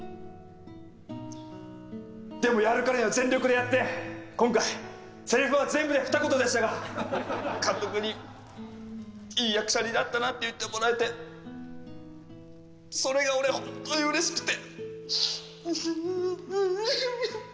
でもやるからには全力でやって今回せりふは全部でふた言でしたが監督にいい役者になったなって言ってもらえてそれが俺本当にうれしくて。